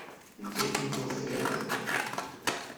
Anda i ten-tufiḍ?